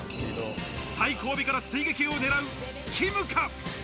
最後尾から追撃を狙う、きむか？